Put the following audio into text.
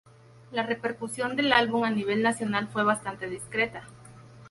La repercusión del álbum a nivel nacional fue bastante discreta.